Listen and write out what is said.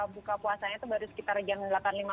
buka puasanya itu baru sekitar jam delapan lima puluh